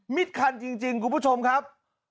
คันจริงคุณผู้ชมครับ